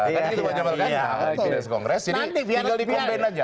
jadi tinggal di combine aja